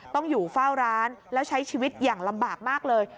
ต้องอยู่เฝ้าร้านแล้วใช้ชีวิตอย่างลำบากมากเลย